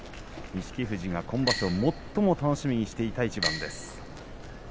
錦富士が今場所最も楽しみにしていた一番です。